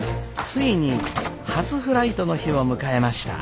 ついに初フライトの日を迎えました。